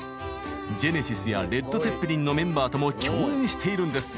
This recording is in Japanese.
ジェネシスやレッド・ツェッペリンのメンバーとも共演しているんです。